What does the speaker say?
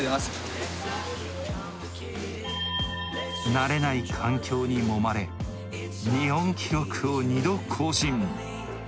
慣れない環境にもまれ日本記録を２度更新。